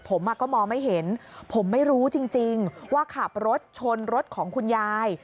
ผมก็มองไม่เห็นผมไม่รู้จริงว่าขับรถชนรถของคุณยาย